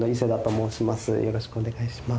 よろしくお願いします